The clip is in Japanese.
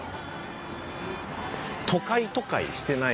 都会都会してない